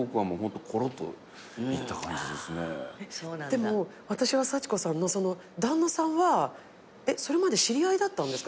でも私は幸子さんの旦那さんはそれまで知り合いだったんですか？